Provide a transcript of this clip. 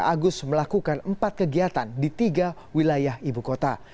agus melakukan empat kegiatan di tiga wilayah ibu kota